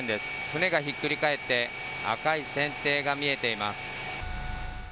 船がひっくり返って赤い船底が見えています。